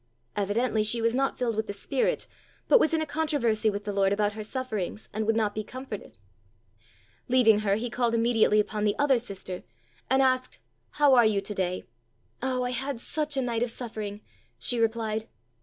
Evidently, she was not filled with the Spirit, but was in a controversy with the Lord about her sufferings, and would not be comforted. Leaving her he called immediately upon the other sister, and asked, "How are you to day?" "Oh, I had such a night of suffering!" she replied.